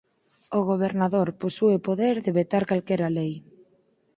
O gobernador posúe o poder de vetar calquera lei.